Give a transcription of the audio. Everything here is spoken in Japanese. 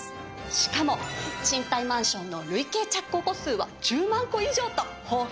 しかも賃貸マンションの累計着工戸数は１０万戸以上と豊富な実績。